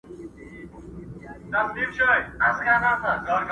او شاباس درباندي اوري،